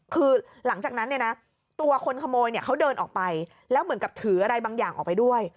คือหลังจากนั้นเนี่ยนะตัวคนขโมยเนี่ยเขาเดินออกไปแล้วเหมือนกับถืออะไรบางอย่างออกไปด้วย